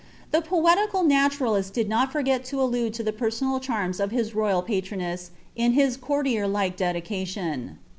The poetical natu did not forget to allude to the personal charms of his royal MS in his courtier like dedication.